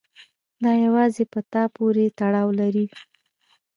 دا يوازې په تاسې پورې تړاو لري.